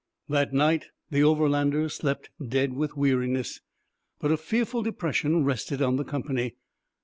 That night the Overlanders slept dead with weariness; but a fearful depression rested on the company.